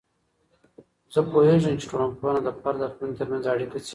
زه پوهیږم چې ټولنپوهنه د فرد او ټولنې ترمنځ اړیکه څیړي.